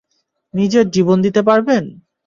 নিজের জীবন দিতে পারবেন?